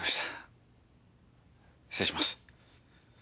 失礼します。